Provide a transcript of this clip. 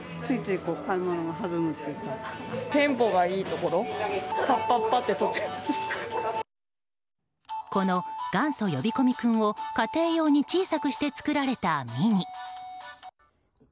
この元祖呼び込み君を家庭用に小さくして作られたミニ。